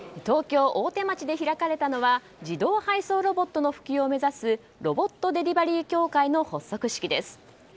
東京・大手町で開かれたのは自動配送ロボットの普及を目指すロボットデリバリー協会の発足式です。